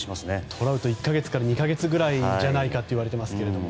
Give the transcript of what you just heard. トラウトは１か月から２か月ぐらいじゃないかといわれていますが。